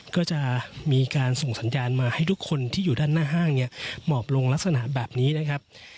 ก็จะมีการส่งสัญญาณมาให้ทุกคนที่อยู่ด้านหน้าห้างเนี่ยหมอบลงลักษณะแบบนี้นะครับ